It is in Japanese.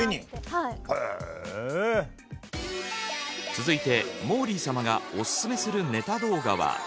続いてもーりー様がオススメするネタ動画は？